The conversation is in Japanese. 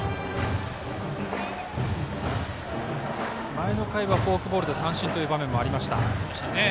前の回はフォークボールで三振という場面もありました。